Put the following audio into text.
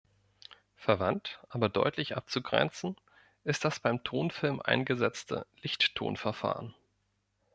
Verwandt, aber deutlich abzugrenzen, ist das beim Tonfilm eingesetzte Lichttonverfahren.